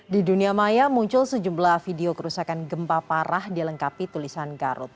di dunia maya muncul sejumlah video kerusakan gempa parah dilengkapi tulisan garut